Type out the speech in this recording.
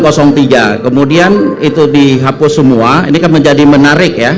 kemudian itu dihapus semua ini kan menjadi menarik ya